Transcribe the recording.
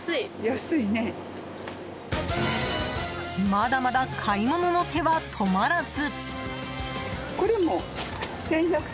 まだまだ買い物の手は止まらず。